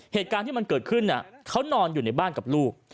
เหตุการณ์ที่มันเกิดขึ้นเขานอนอยู่ในบ้านกับลูก